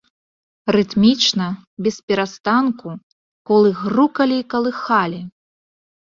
Рытмічна, бесперастанку колы грукалі і калыхалі.